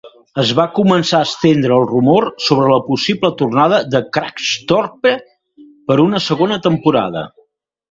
Es va començar a estendre el rumor sobre la possible tornada de Kragthorpe per a una segona temporada.